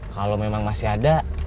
kalau memang masih ada